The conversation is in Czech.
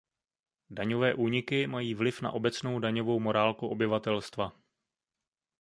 Daňové úniky mají vliv na obecnou daňovou morálku obyvatelstva.